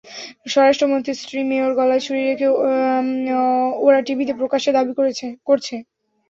স্বরাষ্ট্রমন্ত্রীর স্ত্রী-মেয়ের গলায় ছুরি রেখে ওরা টিভিতে প্রকাশ্যে দাবি করছে।